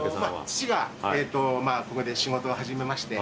父がここで仕事を始めまして。